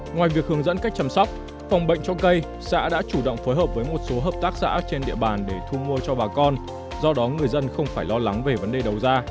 ngoài việc hướng dẫn cách chăm sóc phòng bệnh cho cây xã đã chủ động phối hợp với một số hợp tác xã trên địa bàn để thu mua cho bà con do đó người dân không phải lo lắng về vấn đề đầu ra